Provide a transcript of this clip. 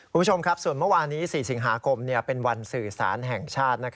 คุณผู้ชมครับส่วนเมื่อวานี้๔สิงหาคมเป็นวันสื่อสารแห่งชาติ